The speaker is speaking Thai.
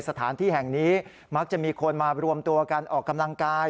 สถานที่แห่งนี้มักจะมีคนมารวมตัวกันออกกำลังกาย